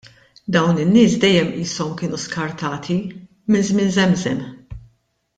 Dawn in-nies dejjem qishom kienu skartati, minn żmien żemżem.